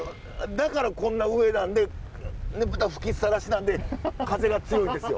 だからこんな上なんでまた吹きっさらしなんで風が強いんですよ。